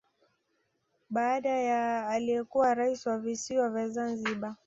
Baada ya aliyekuwa rais wa Visiwa vya Zanzibari